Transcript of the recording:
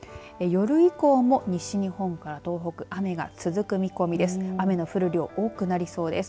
夜以降も西日本から東北雨が続く見込みです。